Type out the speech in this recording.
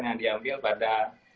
yang diambil pada